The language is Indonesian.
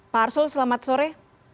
pak arsul selamat sore